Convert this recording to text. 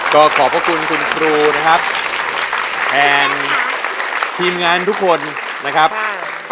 ก็ขอบพระคุณคุณครูนะครับแทนทีมงานทุกคนนะครับขอบพระคุณครับ